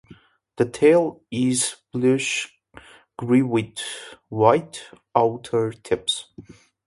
The tail is bluish grey with white outer tips.